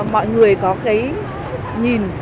mọi người có cái nhìn